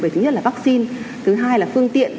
thứ nhất là vaccine thứ hai là phương tiện